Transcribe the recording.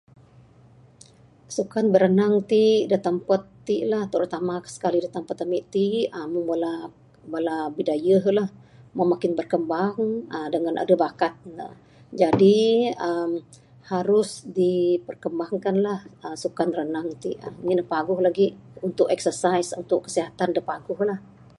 Sukan biranang ti da tampat ti la skali da tampat ami ti Meng bala bala bidayuh la meh makin berkembang dangan adeh da bakat ne, jadi uhh harus jadi perkembangkan la sukan renang ti uhh ngin ne paguh lagi untuk exercise untuk kesihatan da paguh la.